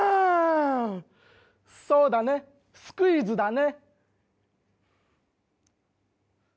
そうだねスクイズだね。